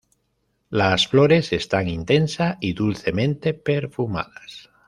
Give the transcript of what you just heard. Las flores están intensa y dulcemente perfumadas.